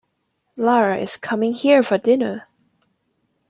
Lara is coming here for dinner.